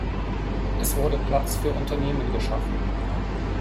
Es wurde Platz für Unternehmen geschaffen.